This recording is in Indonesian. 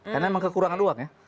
karena memang kekurangan uang ya